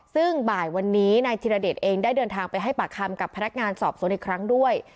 ซึ่งบ่ายวันนี้นายธิรเดชเองได้เดินทางไปให้ปากคำกับพนักงานสอบสวนอีกครั้งด้วย